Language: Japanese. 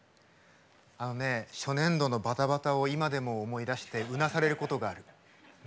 あのね、初年度のばたばたを今でも思い出してうなされることがある。